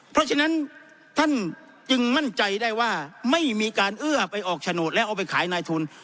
เพราะฉะนั้นท่านจึงมั่นใจได้ว่าไม่มีการเอื้อไปออกโฉนดแล้วเอาไปขายนายทุน